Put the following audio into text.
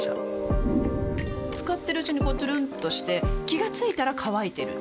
使ってるうちにこうトゥルンとして気が付いたら乾いてる